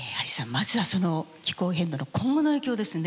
まずはその気候変動の今後の影響ですね。